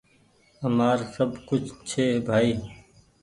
همآر سب ڪڇه ڇي ڀآئي